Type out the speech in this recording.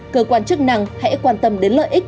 cơ quan chức năng hãy quan tâm đến lợi ích